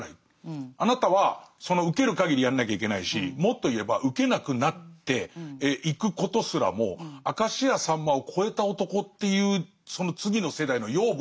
あなたはそのウケるかぎりやんなきゃいけないしもっと言えばウケなくなっていくことすらも明石家さんまを超えた男っていうその次の世代の養分になる仕事があると。